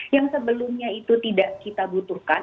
yang sebelumnya itu tidak kita butuhkan